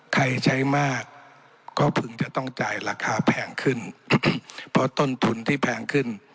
ใช้มากก็พึงจะต้องจ่ายราคาแพงขึ้นเพราะต้นทุนที่แพงขึ้น